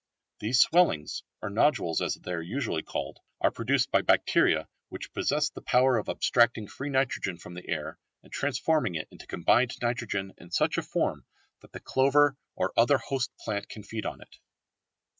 These swellings, or nodules as they are usually called, are produced by bacteria which possess the power of abstracting free nitrogen from the air and transforming it into combined nitrogen in such a form that the clover or other host plant can feed on it.